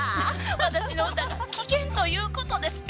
私の歌が危険ということですか？